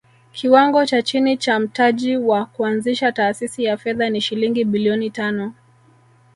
Kiwango cha chini cha mtaji wa kuanzisha taasisi ya fedha ni shilingi bilioni tano